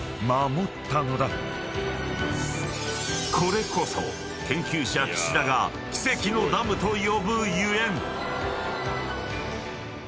［これこそ研究者岸田が奇跡のダムと呼ぶゆえん］